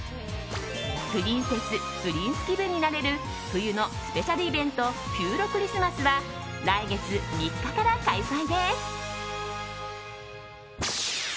プリンセス・プリンス気分になれる冬のスペシャルイベントピューロクリスマスは来月３日から開催です。